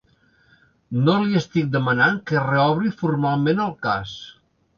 No li estic demanant que reobri formalment el cas.